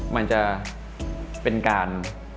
มันจะเป็นการ